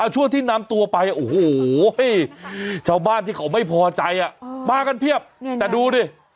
ช่วงที่นำตัวไปโอ้โหชาวบ้านที่เขาไม่พอใจมากันเพียบแต่ดูดิ